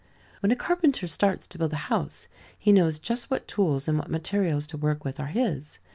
When a carpenter starts to build a house, he knows just what tools and what materials to work with are his.